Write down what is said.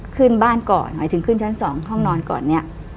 ขึ้นบ้านก่อนหมายถึงขึ้นชั้น๒ห้องนอนก่อนเนี่ย